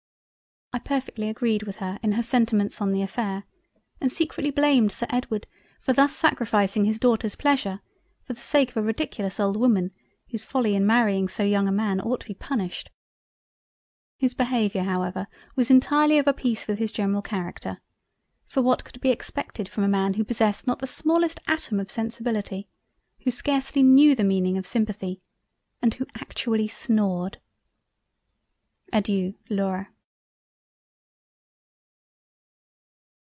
I perfectly agreed with her in her sentiments on the affair, and secretly blamed Sir Edward for thus sacrificing his Daughter's Pleasure for the sake of a ridiculous old woman whose folly in marrying so young a man ought to be punished. His Behaviour however was entirely of a peice with his general Character; for what could be expected from a man who possessed not the smallest atom of Sensibility, who scarcely knew the meaning of simpathy, and who actually snored—. Adeiu Laura.